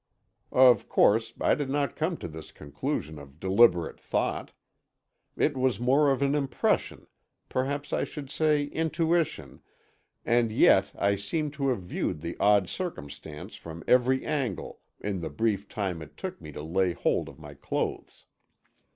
Of course, I did not come to this conclusion of deliberate thought; it was more of an impression, perhaps I should say intuition, and yet I seemed to have viewed the odd circumstance from every angle in the brief time it took me to lay hold of my clothes.